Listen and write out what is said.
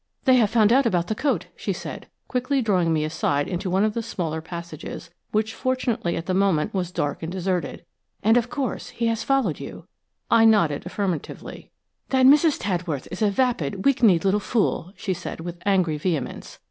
"They have found out about the coat," she said, quickly drawing me aside into one of the smaller passages, which fortunately at the moment was dark and deserted, "and, of course, he has followed you–" I nodded affirmatively. "That Mrs. Tadworth is a vapid, weak kneed little fool," she said, with angry vehemence.